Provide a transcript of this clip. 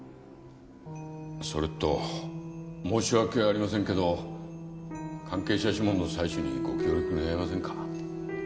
それと申し訳ありませんけど関係者指紋の採取にご協力願えませんか。